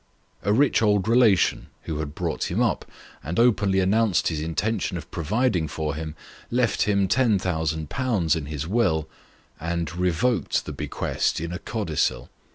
A rich old relation who had brought him up, and openly announced his intention of providing for him, left him 10,000/. in his will, and revoked the bequest in a codicil.